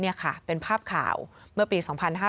นี่ค่ะเป็นภาพข่าวเมื่อปี๒๕๕๙